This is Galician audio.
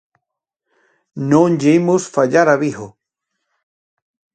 Non lle imos fallar a Vigo.